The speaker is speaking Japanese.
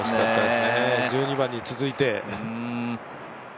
１２番に続いて。